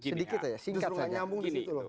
sedikit saja singkat saja